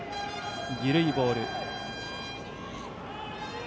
緩いボール。